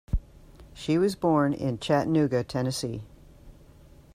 She was born in Chattanooga, Tennessee.